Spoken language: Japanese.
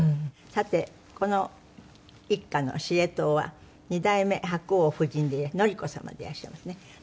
さてこの一家の司令塔は二代目白鸚夫人紀子様でいらっしゃいますね。